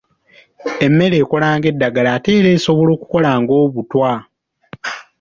Emmere ekola ng'eddagala ate era esobola okukola ng'obutwa.